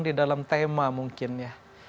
di dalam tema mungkin ya